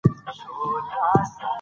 که مراد ځمکه لرلی وای، اوس به خوشاله و.